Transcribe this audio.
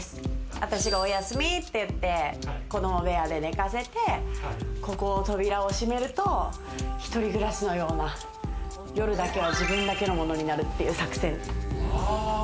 私が、お休みって言って、子ども部屋で寝かせて、ここの扉を閉めると一人暮らしのような、夜だけは自分だけのものになるっていう作戦。